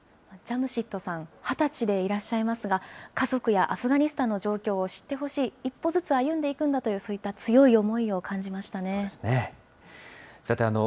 ジャムシッドさん、２０歳でいらっしゃいますが、家族やアフガニスタンの状況を知ってほしい、一歩ずつ歩んでいくんだという、そういった強い思いを感じましたそうですね。